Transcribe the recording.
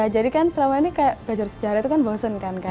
jadi kan selama ini belajar sejarah itu kan bosen kan